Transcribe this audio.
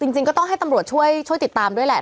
จริงก็ต้องให้ตำรวจช่วยติดตามด้วยแหละ